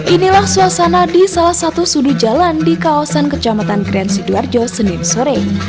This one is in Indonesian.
inilah suasana di salah satu sudut jalan di kawasan kecamatan kren sidoarjo senin sore